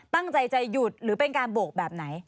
ตั้งใจจะหยุดหรือเป็นการโบกแบบไหน